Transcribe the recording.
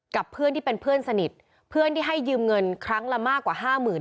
กับเพื่อนที่เป็นเพื่อนสนิทเพื่อนที่ให้ยืมเงินครั้งละมากกว่าห้าหมื่น